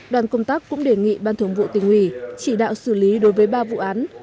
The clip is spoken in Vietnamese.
đoàn công tác cũng đề nghị ban thường vụ tỉnh ủy chỉ đạo xử lý đối với ba vụ án